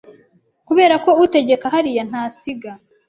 Kuberako utegeka hariya ntasiga